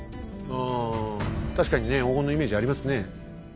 あ確かにね黄金のイメージありますね。